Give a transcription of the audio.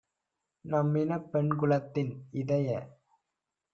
நம்மினப் பெண்குலத்தின் - இதய